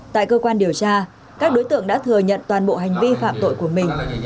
tại cơ quan điều tra các đối tượng đã thừa nhận toàn bộ hành vi phạm tội của mình